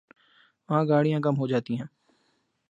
وہاں گاڑیاں کم ہی جاتی ہیں ۔